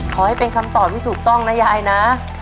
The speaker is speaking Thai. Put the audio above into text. ขอให้เป็นคำตอบที่ถูกต้องนะยายนะ